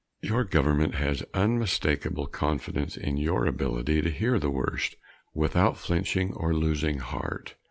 Your government has unmistakable confidence in your ability to hear the worst, without flinching or losing heart.